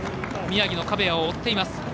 宮城の壁谷を追っています。